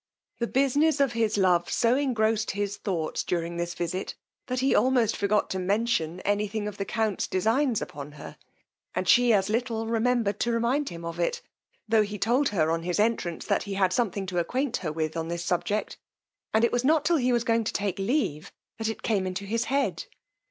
The business of his love so engrossed his thoughts during this visit, that he almost forgot to mention any thing of the count's designs upon her, and she as little remembered to remind him of it, tho' he told her on his entrance, that he had something to acquaint her with on his subject, and it was not till he was going to take leave that it came into his head.